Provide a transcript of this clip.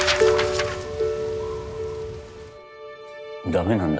駄目なんだ